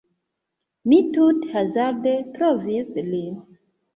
Mi tute hazarde trovis lin